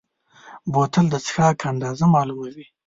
بوتل د څښاک اندازه معلوموي.